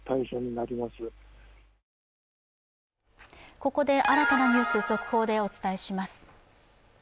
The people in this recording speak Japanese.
ここで新たなニュース、速報でお伝えします。